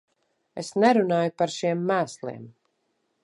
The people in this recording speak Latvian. Es nerunāju par šiem mēsliem.